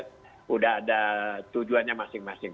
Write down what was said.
sudah ada tujuannya masing masing